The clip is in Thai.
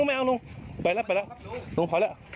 มันหลอกลวง